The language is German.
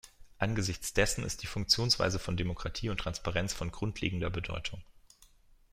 Angesichts dessen ist die Funktionsweise von Demokratie und Transparenz von grundlegender Bedeutung.